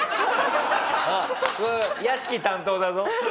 あっこれ屋敷担当だぞ。